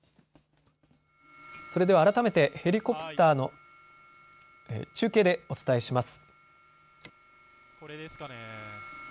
それでは改めてヘリコプターから中継でお伝えします。